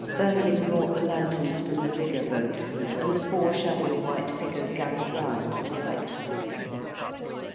Birkin brought the lanterns from the bigger boat, and the four shadowy white figures gathered round, to light them.